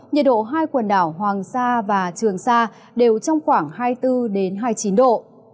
nhiệt độ hai quần đảo hoàng sa và trường sa đều trong khoảng hai mươi bốn hai mươi chín độ